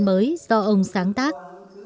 mới do ông sáng tác